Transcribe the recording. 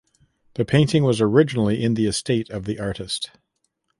The painting was originally in the estate of the artist.